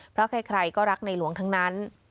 เพราะใครก็รักในหลวงทั้งนั้น